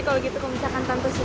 kasian tante ayu